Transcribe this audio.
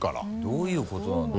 どういうことなんだ？